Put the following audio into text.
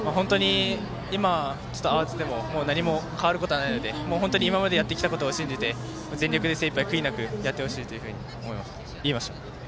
今、ちょっと慌てても何も変わることはないので今までやってきたことを信じて、全力で精いっぱい悔いなくやってほしいと言いました。